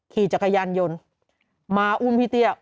ขี่จักรยานยนต์มาอุ้มพี่เตี้ย